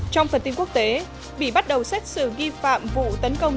trong phần tin quốc tế bị bắt đầu xét xử ghi phạm vụ tấn công